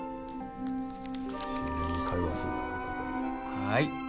はい。